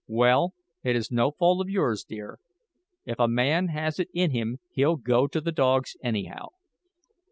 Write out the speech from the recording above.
Well, it is no fault of yours, dear. If a man has it in him he'll go to the dogs anyhow.